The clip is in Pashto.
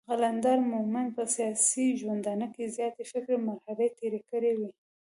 قلندر مومند په سياسي ژوندانه کې زياتې فکري مرحلې تېرې کړې وې.